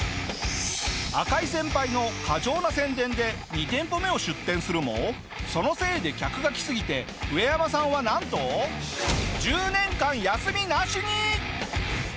赤井先輩の過剰な宣伝で２店舗目を出店するもそのせいで客が来すぎてウエヤマさんはなんと１０年間休みなしに！